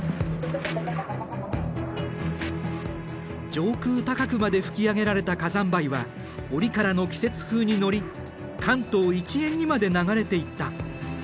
上空高くまで噴き上げられた火山灰は折からの季節風に乗り関東一円にまで流れていった。